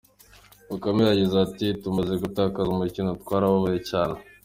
Bakame yagize ati: “Tumaze gutakaza umukino twarababaye cyane.